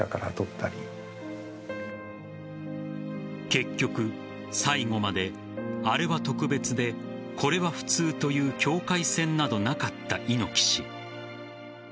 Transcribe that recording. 結局、最後まであれは特別で、これは普通という境界線などなかった猪木氏。